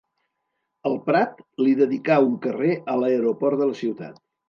El Prat li dedicà un carrer a l'aeroport de la ciutat.